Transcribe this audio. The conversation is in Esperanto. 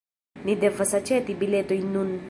Ni devas aĉeti biletojn nun